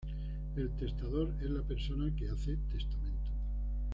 El testador es la persona que hace testamento.